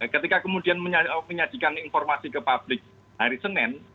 ketika kemudian menyajikan informasi ke publik hari senin